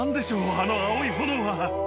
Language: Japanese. あの青い炎は。